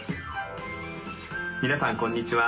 皆さんこんにちは。